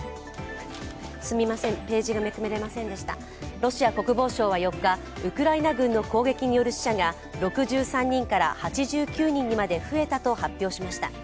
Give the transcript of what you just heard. ロシア国防省は４日、ウクライナ軍による死者が６３人から８９人にまで増えたと発表しました。